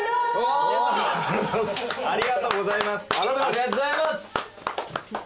ありがとうございます。